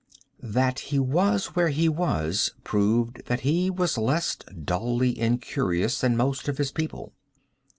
That he was where he was proved that he was less dully incurious than most of his people.